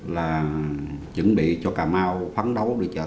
là chuẩn bị cho cà mau phát triển nhanh bền dững